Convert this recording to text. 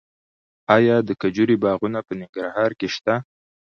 آیا د کجورې باغونه په ننګرهار کې شته؟